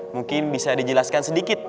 mungkin bisa dijelaskan sedikit